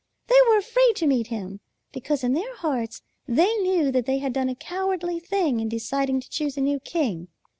They were afraid to meet him, because in their hearts they knew that they had done a cowardly thing in deciding to choose a new king.